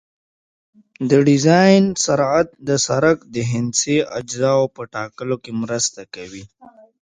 د ډیزاین سرعت د سرک د هندسي اجزاوو په ټاکلو کې مرسته کوي